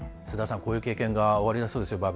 須田さん、こういう経験がおありだそうですよ